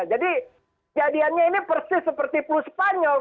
jadi jadiannya ini persis seperti puluh spanyol